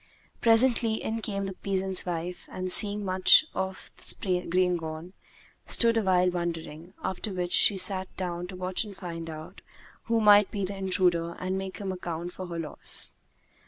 Presently, in came the peasant's wife and, seeing much of the grain gone, stood awhile wondering; after which she sat down to watch and find out who might be the intruder and make him account for her loss.